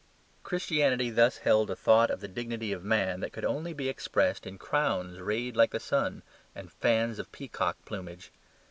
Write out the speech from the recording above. Christianity thus held a thought of the dignity of man that could only be expressed in crowns rayed like the sun and fans of peacock plumage.